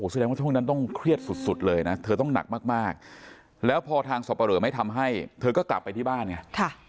แสดงว่าช่วงนั้นต้องเครียดสุดเลยนะเธอต้องหนักมากแล้วพอทางสับปะเหลอไม่ทำให้เธอก็กลับไปที่บ้านไง